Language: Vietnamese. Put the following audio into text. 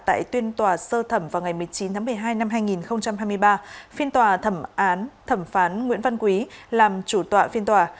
tại tuyên tòa sơ thẩm vào ngày một mươi chín tháng một mươi hai năm hai nghìn hai mươi ba phiên tòa thẩm án thẩm phán nguyễn văn quý làm chủ tọa phiên tòa